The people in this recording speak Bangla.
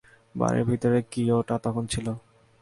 বাড়ির ভিতরে কি ওটা তখন ছিল?